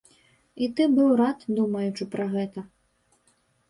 І ты быў рад, думаючы пра гэта.